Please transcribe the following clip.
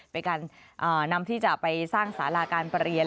เป็นการนำที่จะไปสร้างสาราการประเรียน